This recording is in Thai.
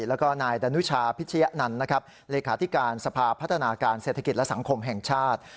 แล้วก็นายดานุชาพิชยะนันต์นะครับเลขาธิการสภาพัฒนาการเศรษฐกิจและสังคมแห่งชาติ